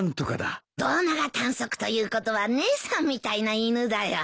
胴長短足ということは姉さんみたいな犬だよ。